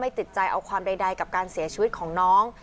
ติดใจเอาความใดกับการเสียชีวิตของน้อง